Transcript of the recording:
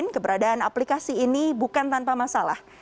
keberadaan aplikasi ini bukan tanpa masalah